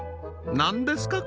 なんですか？